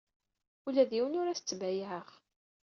Ula d yiwen ur as-ttbayaɛeɣ.